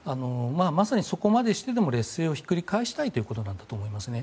まさにそこまでしても劣勢をひっくり返したいというなんことだと思いますね。